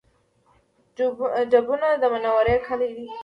ډبونه د منورې کلی دی